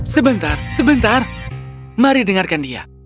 sebentar sebentar mari dengarkan dia